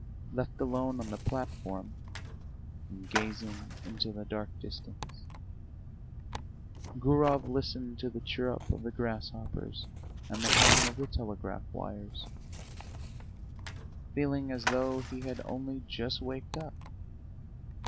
Left alone on the platform, and gazing into the dark distance, Gurov listened to the chirrup of the grasshoppers and the hum of the telegraph wires, feeling as though he had only just waked up.